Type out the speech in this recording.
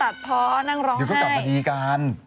เดี๋ยวก็กลับมาดีกัน